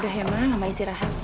udah ya mama mama isi rahat